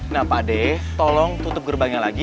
nah pak ade tolong tutup gerbangnya lagi